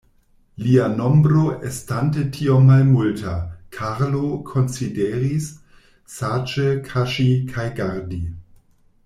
Lia nombro estante tiom malmulta, Karlo konsideris saĝe kaŝi kaj gardi.